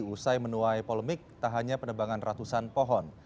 usai menuai polemik tak hanya penebangan ratusan pohon